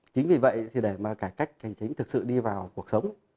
chính vì vậy thì để mà cải cách hành chính thực sự đi vào cuộc sống